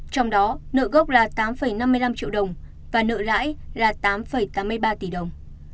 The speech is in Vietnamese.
trong đó nợ gốc là tám năm mươi năm triệu đồng và nợ lãi là tám tám mươi ba tỷ đồng